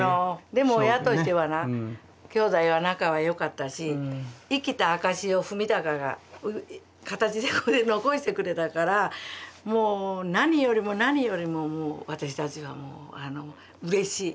でも親としてはな兄弟は仲は良かったし生きた証しを史敬が形でこうして残してくれたからもう何よりも何よりも私たちはうれしい。